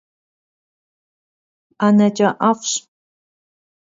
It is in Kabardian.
ӀэнэкӀэ ӀэфӀщ.